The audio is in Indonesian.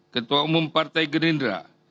ketua umum partai geendera